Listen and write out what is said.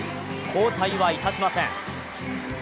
交代はいたしません。